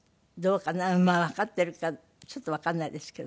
わかっているかちょっとわかんないですけどね。